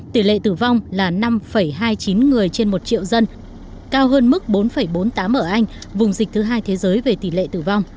tỷ lệ tử vong là năm hai mươi chín người trên một triệu dân cao hơn mức bốn bốn mươi tám ở anh vùng dịch thứ hai thế giới về tỷ lệ tử vong